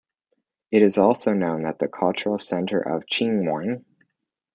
It is also known as the cultural center of Chongqing.